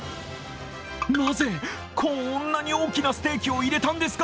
なぜこんなに大きなステーキを入れたんですか？